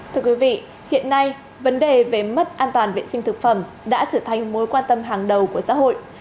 thưa quý vị hiện nay vấn đề về mất an toàn vệ sinh thực phẩm đã trở thành mối quan tâm hàng đầu của xã hội